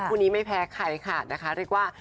คู่นี้ไม่แพ้ใครค่ะนะคะเรียกว่า